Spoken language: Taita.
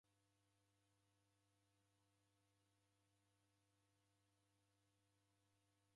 Kujipange nawekuenja mzedu lawuke